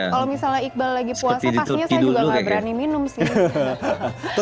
kalau misalnya iqbal lagi puasa pastinya saya juga nggak berani minum sih